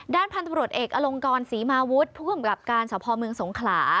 ด้านพันธบรวจเอกอลงกรศรีมาวุฒผู้คุมกับการสะพอเมืองสงขลา